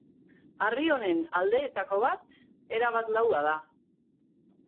Harri honen aldeetako bat, erabat laua da.